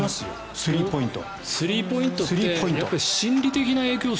スリーポイント。